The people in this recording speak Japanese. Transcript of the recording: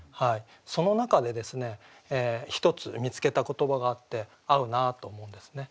その中で１つ見つけた言葉があって合うなと思うんですね。